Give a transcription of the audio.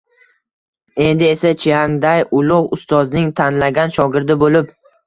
Endi esa Chiangday Ulug‘ Ustozning tanlagan shogirdi bo‘lib